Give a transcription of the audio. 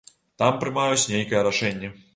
Там прымаюць нейкае рашэнне.